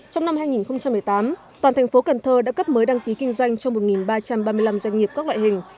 trong năm hai nghìn một mươi tám toàn thành phố cần thơ đã cấp mới đăng ký kinh doanh cho một ba trăm ba mươi năm doanh nghiệp các loại hình